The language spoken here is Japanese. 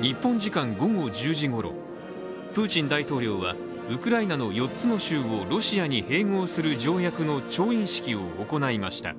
日本時間午後１０時ごろプーチン大統領はウクライナの４つの州をロシアに併合する条約の調印式を行いました。